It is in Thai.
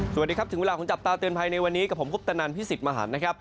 สวัสดีครับถึงเวลาของจับตาเตือนภัยในวันนี้กับผมคุปตนันพี่สิทธิ์มหันนะครับ